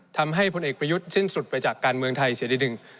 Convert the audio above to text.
พลเอกประยุทธ์สิ้นสุดไปจากการเมืองไทยเสียทีดึง